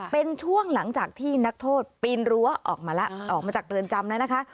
เป็นช่วงหลังจากที่นักโทษปีนรั้วออกมาจากเรือนจำนะคะ